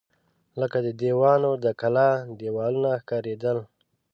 لکه د دیوانو د کلا دېوالونه ښکارېدل.